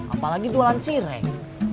apalagi jualan cireng